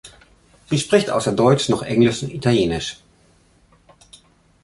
Sie spricht außer Deutsch noch Englisch und Italienisch.